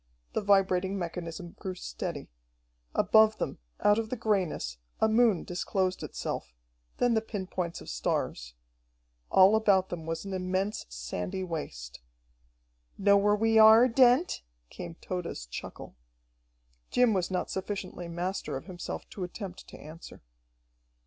The vibrating mechanism grew steady. Above them, out of the grayness, a moon disclosed itself, then the pin points of stars. All about them was an immense, sandy waste. "Know where we are, Dent?" came Tode's chuckle. Jim was not sufficiently master of himself to attempt to answer.